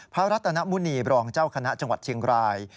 รัตนมุณีบรองเจ้าคณะจังหวัดเชียงราย